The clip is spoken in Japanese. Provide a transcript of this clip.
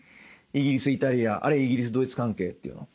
イギリスイタリアあるいはイギリスドイツ関係っていうのは。